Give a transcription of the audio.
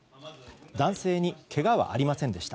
男性にけがはありませんでした。